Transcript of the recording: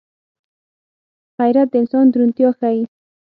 غیرت د انسان درونتيا ښيي